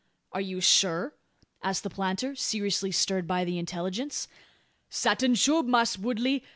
"Are you sure?" asked the planter, seriously stirred by the intelligence. "Satin, shoo, Mass' Woodley.